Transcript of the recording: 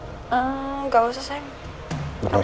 eee gak usah sayang